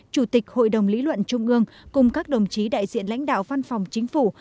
chủ tịch hội đồng lý luận trung ương cùng các đồng chí đại diện lãnh đạo văn phòng chính phủ